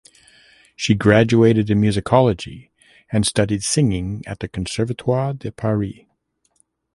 She graduated in musicology and studied singing at the Conservatoire de Paris.